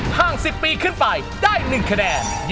ห้าง๑๐ปีขึ้นไปได้๑คะแนน